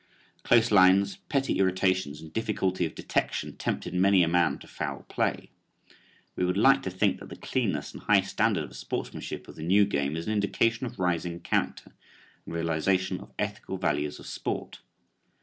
Close lines, petty irritations and difficulty of detection tempted many a man to foul play. We would like to think that the cleanness and high standard of sportsmanship of the new game is an indication of rising character and realization of ethical values of sport.